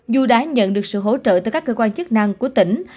dù đã nhận được sự hỗ trợ từ các cơ quan chức năng của tỉnh